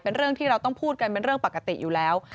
เป็นเรื่องที่เราต้องพูดกันเป็นเรื่องปกติอยู่แล้ว